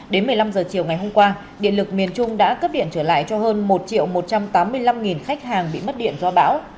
đến một mươi năm h chiều ngày hôm qua điện lực miền trung đã cấp điện trở lại cho hơn một một trăm tám mươi năm khách hàng bị mất điện do bão